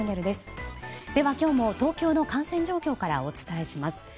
では今日も東京の感染状況からお伝えします。